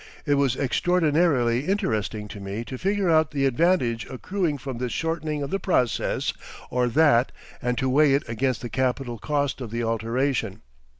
It was extraordinarily interesting to me to figure out the advantage accruing from this shortening of the process or that, and to weigh it against the capital cost of the alteration.